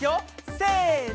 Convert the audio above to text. せの！